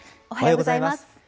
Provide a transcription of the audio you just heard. おはようございます。